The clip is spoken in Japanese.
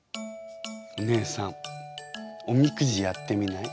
お姉さんおみくじやってみない？